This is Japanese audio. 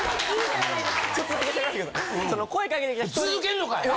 続けんのかい！